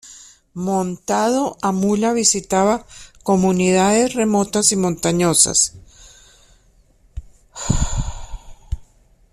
Montado a mula visitaba comunidades remotas y montañosas.